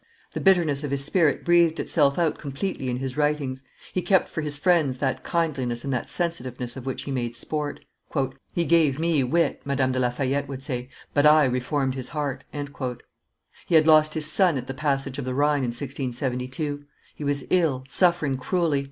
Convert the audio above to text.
The bitterness of his spirit breathed itself out completely in his writings; he kept for his friends that kindliness and that sensitiveness of which he made sport. "He gave me wit," Madame de La Fayette would say, "but I reformed his heart." He had lost his son at the passage of the Rhine, in 1672. He was ill, suffering cruelly.